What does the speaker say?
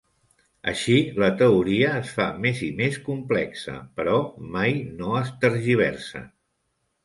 Així, la teoria es fa més i més complexa, però mai no es tergiversa.